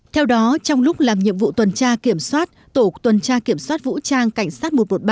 theo đó trong lúc làm nhiệm vụ tuần tra kiểm soát tổ tuần tra kiểm soát vũ trang cảnh sát một trăm một mươi ba